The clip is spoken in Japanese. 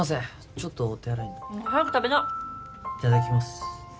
ちょっとお手洗いに早く食べないただきます